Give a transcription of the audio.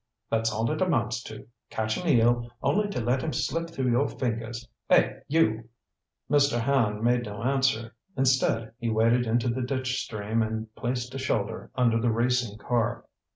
That's all it amounts to. Catch an eel, only to let him slip through your fingers eh, you!" Mr. Hand made no answer. Instead, he waded into the ditch stream and placed a shoulder under the racing car.